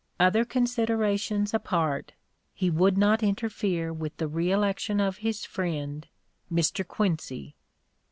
Other considerations apart, he would not interfere with the reëlection of his friend, Mr. Quincy.